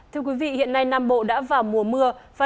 thưa quý vị hiện nay nam bộ đã vào mùa mưa